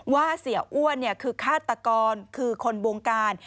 เสียอ้วนคือฆาตกรคือคนวงการ